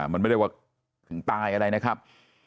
มันไม่ได้ว่าถึงตายอะไรนะครับ